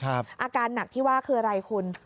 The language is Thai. อาการหนักที่ว่าคืออะไรคุณ